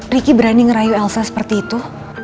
ricky berani ngerayu elsa seperti itu